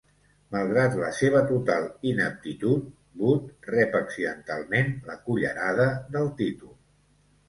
Malgrat la seva total ineptitud, Boot rep accidentalment la "cullerada" del títol.